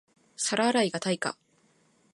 皿洗いが対価